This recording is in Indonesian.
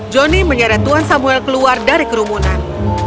johnny menyarankan tuan samuel keluar dari kerumunan